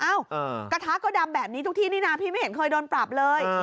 กระทะก็ดำแบบนี้ทุกที่นี่นะพี่ไม่เห็นเคยโดนปรับเลย